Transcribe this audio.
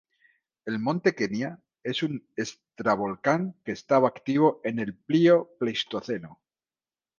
El monte Kenia es un estratovolcán que estaba activo en el Plio-Pleistoceno.